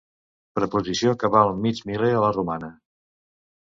Preposició que val mig miler a la romana.